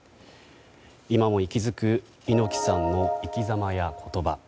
今も息づく猪木さんの生き様や言葉